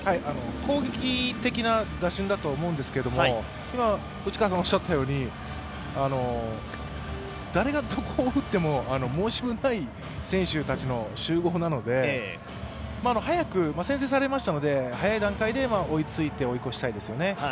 攻撃的な打順だと思うんですけど誰がどこを打っても申し分ない選手たちの集合なので、先制されましたので、早い段階で追いついて、追い越したいですよね。